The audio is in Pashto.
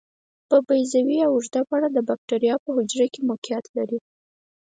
په بیضوي یا اوږده بڼه د باکتریا په حجره کې موقعیت لري.